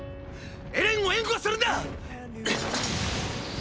エレンを援護するんだ！